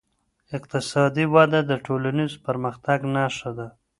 اقتصادي وده د ټولنیز پرمختګ نښه ده.